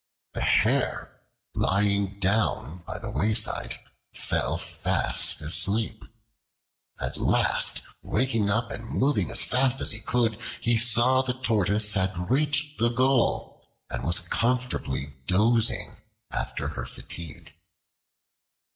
The Hare, lying down by the wayside, fell fast asleep. At last waking up, and moving as fast as he could, he saw the Tortoise had reached the goal, and was comfortably dozing after her fatigue.